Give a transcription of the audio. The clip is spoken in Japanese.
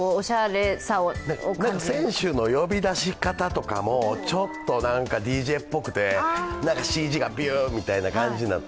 選手の呼び出し方とかもちょっとなんかＤＪっぽくてＣＧがびゅーっみたいな感じになって。